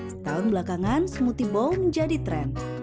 setahun belakangan smoothie ball menjadi tren